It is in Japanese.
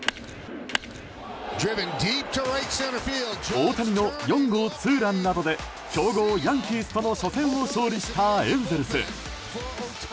大谷の４号ツーランなどで強豪ヤンキースとの初戦を勝利したエンゼルス。